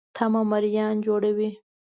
تمه مریان جوړوي.